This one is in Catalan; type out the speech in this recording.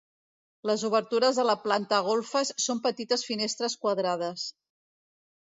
Les obertures de la planta golfes són petites finestres quadrades.